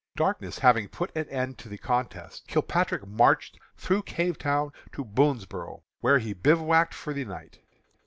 Darkness having put an end to the contest, Kilpatrick marched through Cavetown to Boonsboro', where he bivouacked for the night.